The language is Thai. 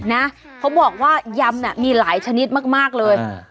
นะเขาบอกว่ายำน่ะมีหลายชนิดมากมากเลยอ่า